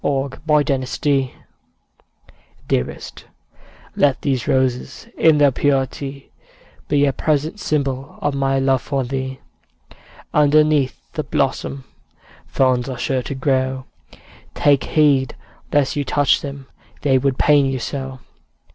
Y Z Valentine Song Dearest, let these roses In their purity, Be a present symbol Of my love for thee. Underneath the blossom Thorns are sure to grow; Take heed lest you touch them, They would pain you so!